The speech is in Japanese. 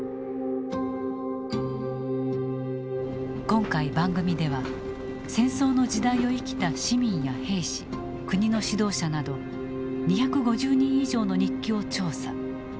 今回番組では戦争の時代を生きた市民や兵士国の指導者など２５０人以上の日記を調査。